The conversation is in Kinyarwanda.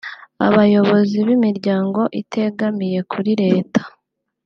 abayobozi b’imiryango itegamiye kuri Leta